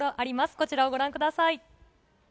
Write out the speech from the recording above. こちらをご覧ください。